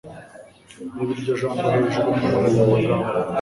Reba iryo jambo hejuru mu nkoranyamagambo